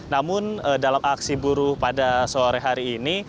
namun dalam aksi buruh pada sore hari ini